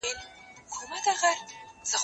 زه کولای سم نان وخورم؟!